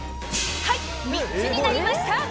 「はい３つになりました！」